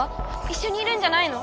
いっしょにいるんじゃないの？